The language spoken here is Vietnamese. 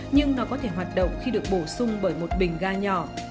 nhưng nó có thể hoạt động khi được bổ sung bởi một bình ga nhỏ